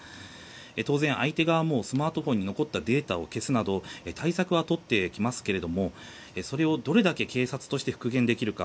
当然、相手側もスマートフォンに残ったデータを消すなど対策は取ってきますがそれを、どれだけ警察として復元できるか。